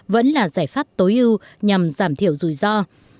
vẫn là giải pháp tối ưu nhằm giảm thiểu rủi ro